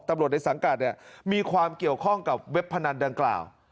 ตำรวจในสังกัดมีความเกี่ยวข้องกับเว็บพนันดังกล่าว